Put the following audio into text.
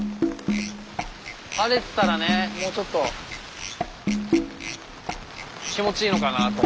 晴れてたらねもうちょっと気持ちいいのかなとも思うけど。